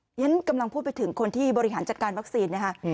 ฉะนั้นกำลังพูดไปถึงคนที่บริหารจัดการวัคซีนนะคะ